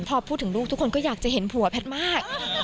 พอพูดถึงลูกทุกคนก็อยากจะเห็นผัวแพทย์มาก